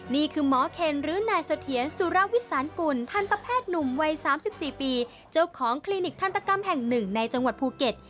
นี่คือหมอเคนหรือนายเสถียรสุรวิสานกุลทันตแพทย์หนุ่มวัย๓๔ปีเจ้าของคลินิกทันตกรรมแห่งหนึ่งในจังหวัดภูเก็ต